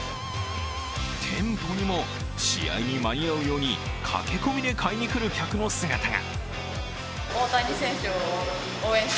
店舗にも試合に間に合うように駆け込みで買いにくる客の姿が。